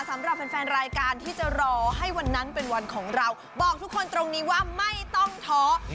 สำหรับแฟนรายการที่จะรอให้วันนั้นเป็นวันของเราบอกทุกคนตรงนี้ว่าไม่ต้องท้อ